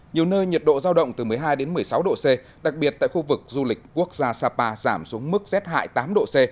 nhiều nơi nhiệt độ giao động từ một mươi hai một mươi sáu độ c đặc biệt tại khu vực du lịch quốc gia sapa giảm xuống mức rét hại tám độ c